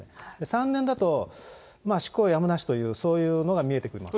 ３年だと、執行猶予やむなしという、そういうのが見えてきますね。